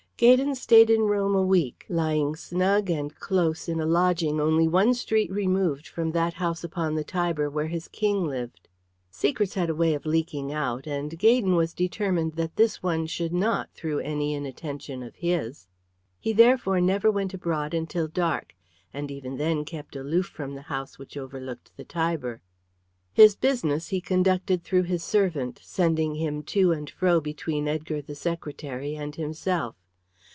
Gaydon stayed in Rome a week, lying snug and close in a lodging only one street removed from that house upon the Tiber where his King lived. Secrets had a way of leaking out, and Gaydon was determined that this one should not through any inattention of his. He therefore never went abroad until dark, and even then kept aloof from the house which overlooked the Tiber. His business he conducted through his servant, sending him to and fro between Edgar, the secretary, and himself.